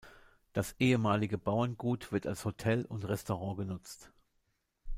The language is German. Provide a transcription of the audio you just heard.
Das ehemalige Bauerngut wird als Hotel und Restaurant genutzt.